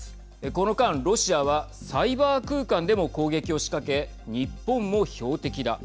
この間、ロシアはサイバー空間でも攻撃を仕掛け日本も標的だ。